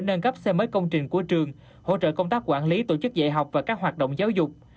nâng cấp xe mới công trình của trường hỗ trợ công tác quản lý tổ chức dạy học và các hoạt động giáo dục